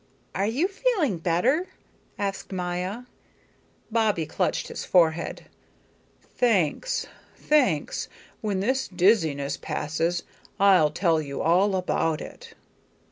"Are you feeling better?" asked Maya. Bobbie clutched his forehead. "Thanks, thanks. When this dizziness passes, I'll tell you all about it."